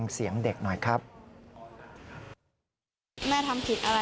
หรือว่าอยากเข้าไปนอนกับแม่แต่เขาไม่ให้เข้าไป